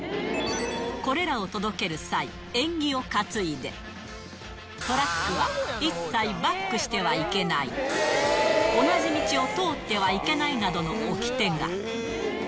これらを届ける際、縁起を担いで、トラックは一切バックしてはいけない、同じ道を通ってはいけないなどのおきてが。